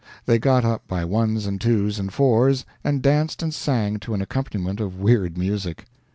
They got up by ones and twos and fours, and danced and sang to an accompaniment of weird music.